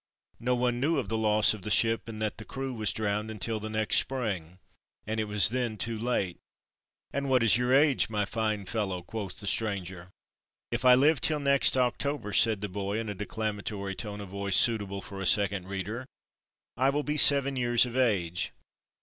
No one knew of the loss of the ship and that the crew was drowned until the next spring, and it was then too late." "And what is your age, my fine fellow?" quoth the stranger. "If I live till next October," said the boy, in a declamatory tone of voice suitable for a Second Reader. "I will be seven years of age."